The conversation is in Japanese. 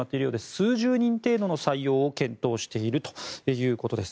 数十人程度の採用を検討しているということです。